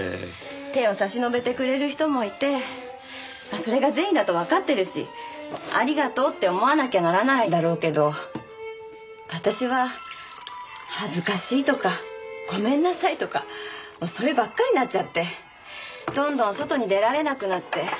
手を差し伸べてくれる人もいてまあそれが善意だとわかってるしありがとうって思わなきゃならないだろうけど私は恥ずかしいとかごめんなさいとかそればっかりになっちゃってどんどん外に出られなくなって。